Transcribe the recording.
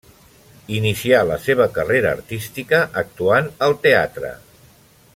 Inicià la seva carrera artística actuant al teatre.